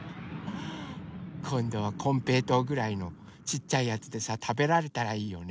こんどはこんぺいとうぐらいのちっちゃいやつでさたべられたらいいよね。